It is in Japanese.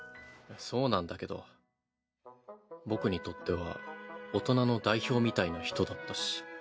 そうなんだけど僕にとっては大人の代表みたいな人だったし。